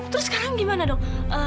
terus sekarang gimana dong